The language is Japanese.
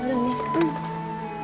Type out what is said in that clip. うん。